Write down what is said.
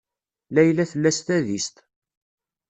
Layla tella s tadist.